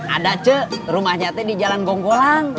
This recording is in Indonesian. ada cuy rumahnya teh di jalan gonggolang